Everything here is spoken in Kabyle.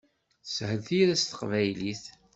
Teshel tira s teqbaylit.